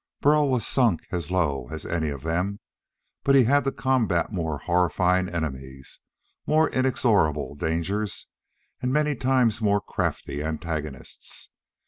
Burl was sunk as low as any of them, but he had to combat more horrifying enemies, more inexorable dangers, and many times more crafty antagonists.